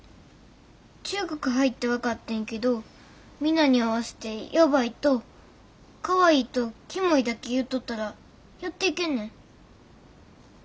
中学入って分かってんけどみんなに合わせてやばいとかわいいとキモいだけ言うとったらやっていけんねん。